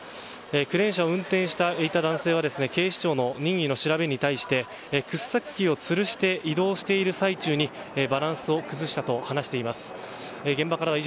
クレーン車を運転していた男性は警視庁の任意の調べに対して掘削機をつるして移動している最中に洗っても落ちない